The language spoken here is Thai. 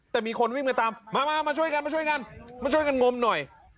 แต่มีคนวิ่งกันตามมามาช่วยกันงมหน่อย